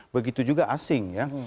begitu juga asing ya